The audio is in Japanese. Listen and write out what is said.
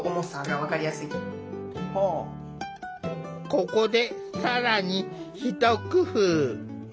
ここで更にひと工夫。